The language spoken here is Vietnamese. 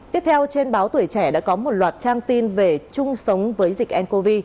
tiếp theo trên báo tuổi trẻ đã có một loạt trang tin về chung sống với dịch ncov